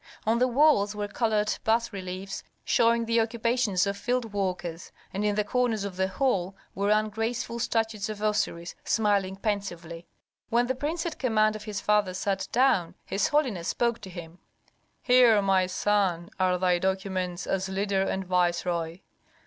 On the walls were colored bas reliefs showing the occupations of field workers, and in the corners of the hall were ungraceful statues of Osiris smiling pensively. When the prince at command of his father sat down, his holiness spoke to him, "Here, my son, are thy documents as leader and viceroy.